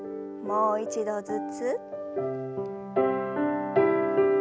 もう一度ずつ。